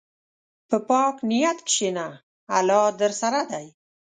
په پاک نیت کښېنه، الله درسره دی.